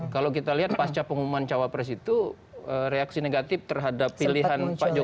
kalau kita lihat pasca pengumuman cawapres itu reaksi negatif terhadap pilihan pak jokowi